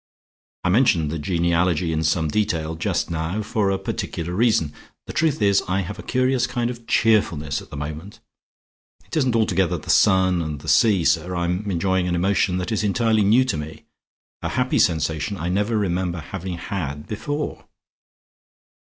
I mention the genealogy in some detail just now for a particular reason. The truth is I have a curious kind of cheerfulness at the moment. It isn't altogether the sun and the sea, sir. I am enjoying an emotion that is entirely new to me; a happy sensation I never remember having had before."